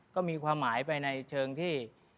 ก็มีความหมายไปในเชิงที่